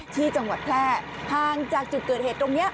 ที่จังหวัดแพร่ห่างจากจุดเกิดเหตุตรงนี้